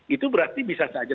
itu berarti bisa saja